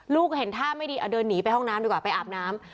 ลูกเห็นท่าไม่ดีเดินหนีไปท่อน้ำแล้วก่อนไปอาบน้ำ